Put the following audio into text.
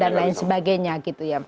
dan lain sebagainya gitu ya